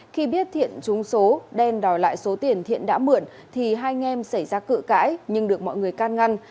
khi biết thiện chúng số đem đòi lại số tiền thiện đã mượn thì hai anh em xảy ra cự cãi nhưng được mọi người can ngăn